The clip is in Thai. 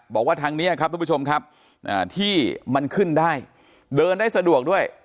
บอกว่าทางนี้ครับทุกผู้ชมครับที่มันขึ้นได้เดินได้สะดวกด้วย